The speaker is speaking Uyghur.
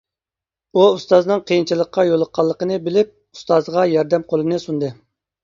ئۇ ئۇستازىنىڭ قىيىنچىلىققا يولۇققانلىقىنى بىلىپ، ئۇستازىغا ياردەم قولىنى سۇندى.